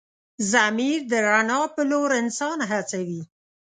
ضمیر د رڼا په لور انسان هڅوي.